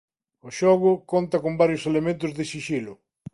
O xogo conta con varios elementos de sixilo.